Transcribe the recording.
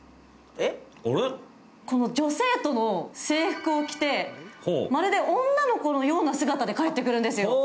女性との制服を着て、まるで女の子のような姿で帰ってくるんですよ。